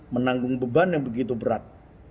menanggung beban yang begitu berat